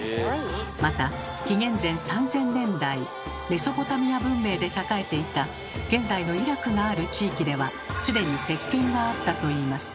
また紀元前３０００年代メソポタミア文明で栄えていた現在のイラクがある地域では既にせっけんがあったといいます。